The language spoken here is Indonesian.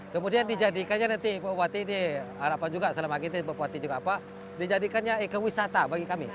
kemudian dijadikannya nanti pak bupati ini harapan juga selama kita pak bupati juga pak dijadikannya ekewisata bagi kami